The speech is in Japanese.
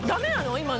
今の。